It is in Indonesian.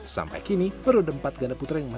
sampai kini baru ada empat ganda putra yang masih